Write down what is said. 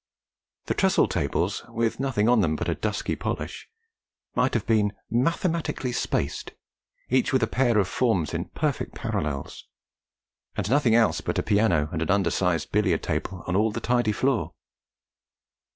The trestle tables, with nothing on them but a dusky polish, might have been mathematically spaced, each with a pair of forms in perfect parallels, and nothing else but a piano and an under sized billiard table on all the tidy floor.